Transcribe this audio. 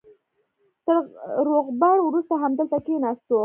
تر روغبړ وروسته همدلته کېناستو.